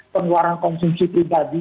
pengeluaran konsumsi pribadi